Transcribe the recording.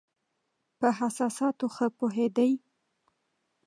په احساساتو ښه پوهېدی.